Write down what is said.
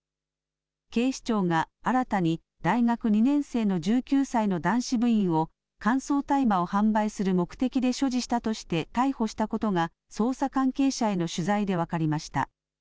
警視庁が新たに大学２年生の１９歳の男子部員を乾燥大麻を販売する目的で所持したとして逮捕したことが捜査関係者への取材で分かりました。